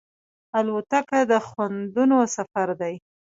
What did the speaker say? الوتکه د خوندونو سفر دی.